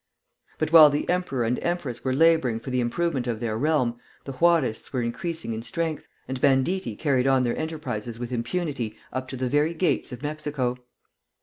But while the emperor and empress were laboring for the improvement of their realm, the Juarists were increasing in strength, and banditti carried on their enterprises with impunity up to the very gates of Mexico.